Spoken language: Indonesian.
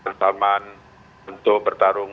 pertamaan untuk bertarung